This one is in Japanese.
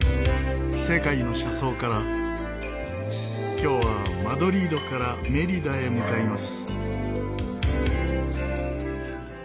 今日はマドリードからメリダへ向かいます。